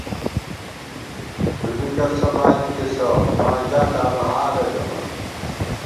تُو بی کسہ بالی تِسہ، ماں ژا تانُو حالہ ژَمان